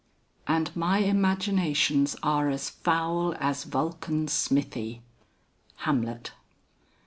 "And my imaginations are as foul As Vulcan's smithy." HAMLET.